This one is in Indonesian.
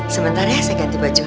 sebentar ya saya ganti baju lah